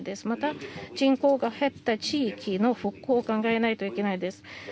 また、人口が減った地域の復興を考えないといけないです。